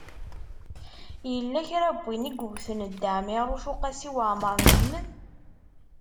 Yella kra n yiwen i yewten Dda Ɛmiiruc u Qasi Waɛmer n Ḥmed?